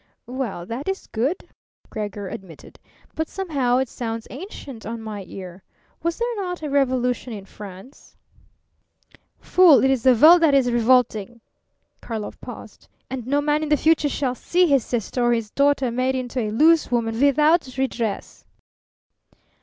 "Well, that is good," Gregor admitted. "But somehow it sounds ancient on my ear. Was there not a revolution in France?" "Fool, it is the world that is revolting!" Karlov paused. "And no man in the future shall see his sister or his daughter made into a loose woman without redress."